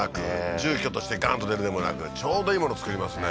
住居としてガンと出るでもなくちょうどいいもの作りますね